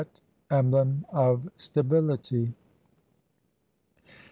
emblem of stability.